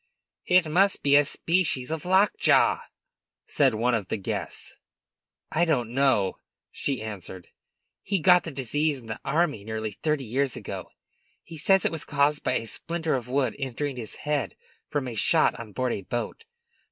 "It must be a species of lockjaw," said one of the guests. "I don't know," she answered. "He got the disease in the army nearly thirty years ago. He says it was caused by a splinter of wood entering his head from a shot on board a boat.